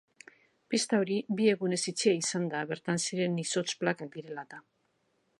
Pista hori bi egunez itxia izan da bertan ziren izotz-plakak direla eta.